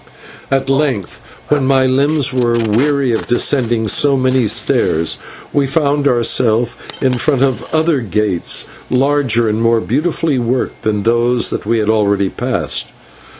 At length, when my limbs were weary of descending so many stairs, we found ourselves in front of other gates, larger and more beautifully worked than those that we had already passed.